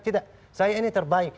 tidak saya ini terbaik